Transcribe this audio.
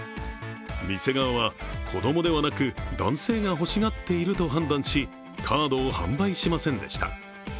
店側は、子供ではなく、男性が欲しがっていると判断し、カードを販売しませんでした。